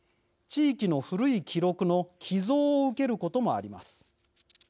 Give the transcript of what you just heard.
地域の古い記録の寄贈を受けることもあります。